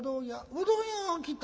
うどん屋が来た。